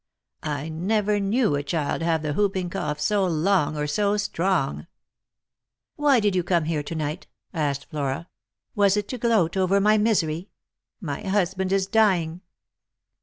I never knew a child have the whooping cough so long or so strong." " Why did you come here to night?" asked Flora. " Was it to gloat over my misery ? My husband is dying."